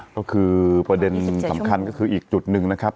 ก็คือประเด็นสำคัญก็คืออีกจุดหนึ่งนะครับ